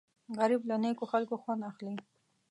غریب له نیکو خلکو خوند اخلي